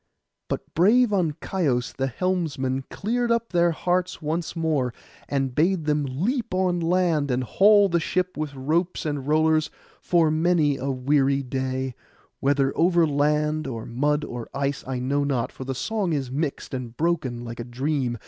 But brave Ancaios the helmsman cheered up their hearts once more, and bade them leap on land, and haul the ship with ropes and rollers for many a weary day, whether over land, or mud, or ice, I know not, for the song is mixed and broken like a dream.